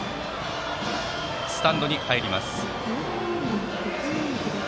スタンドに入りました。